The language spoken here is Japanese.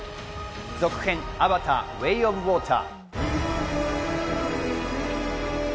続編『アバター：ウェイ・オブ・ウォーター』。